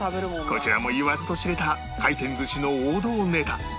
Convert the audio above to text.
こちらも言わずと知れた回転寿司の王道ネタ